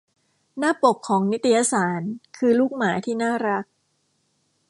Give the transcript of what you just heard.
หน้าปกของนิตยสารคือลูกหมาที่น่ารัก